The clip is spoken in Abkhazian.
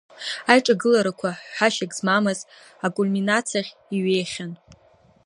Аиҿагыларақәа ҳәашьак змамыз акульминациахь иҩеихьан.